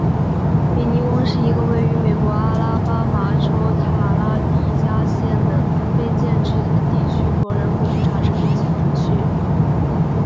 米尼翁是一个位于美国阿拉巴马州塔拉迪加县的非建制地区和人口普查指定地区。